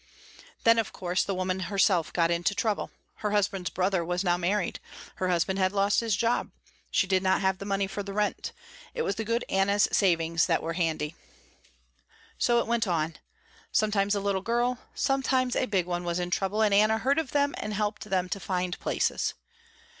Then, of course, the woman herself got into trouble. Her husband's brother was now married. Her husband lost his job. She did not have the money for the rent. It was the good Anna's savings that were handy. So it went on. Sometimes a little girl, sometimes a big one was in trouble and Anna heard of them and helped them to find places.